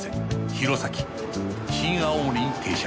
弘前新青森に停車